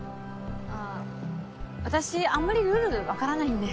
あ私あんまりルールわからないんで。